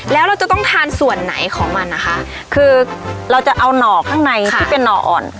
แล้วเราจะต้องทานส่วนไหนของมันนะคะคือเราจะเอาหน่อข้างในที่เป็นห่ออ่อน